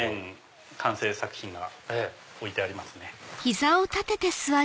完成作品が置いてありますね。